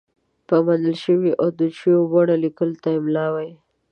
په منل شوې او دود شوې بڼه لیکلو ته املاء وايي.